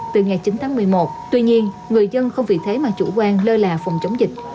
từ ngày chín tháng một mươi một tuy nhiên người dân không vì thế mà chủ quan lơ là phòng chống dịch